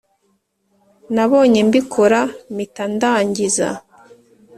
Nabonye mbikora mita ndangiza